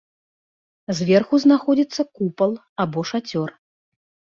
Зверху знаходзіцца купал або шацёр.